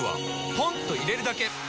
ポンと入れるだけ！